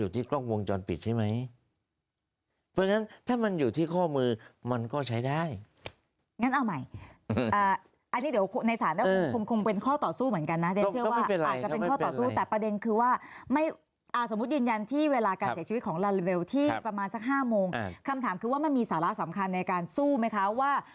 ที่แห่งนี้มีคนก็พูดกันนะครับว่า